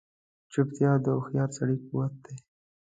چوپتیا، د هوښیار سړي قوت دی.